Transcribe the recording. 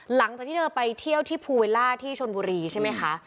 หลังจากที่เธอไปเที่ยวที่ภูวิลล่าที่ชนบุรีใช่ไหมคะ